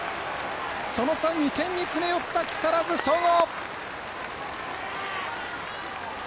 その差、２点に詰め寄った木更津総合。